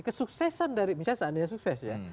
kesuksesan dari misalnya seandainya sukses ya